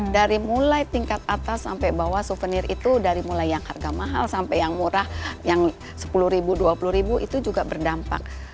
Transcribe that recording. dari mulai tingkat atas sampai bawah souvenir itu dari mulai yang harga mahal sampai yang murah yang sepuluh ribu dua puluh ribu itu juga berdampak